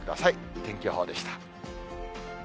天気予報でした。